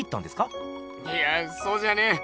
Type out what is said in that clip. いやぁそうじゃねえ。